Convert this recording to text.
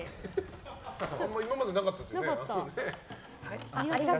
あんまり今までなかったですよね。